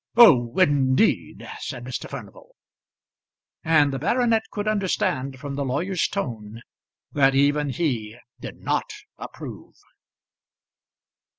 "Oh, indeed!" said Mr. Furnival; and the baronet could understand from the lawyer's tone that even he did not approve.